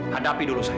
hadapi dulu saya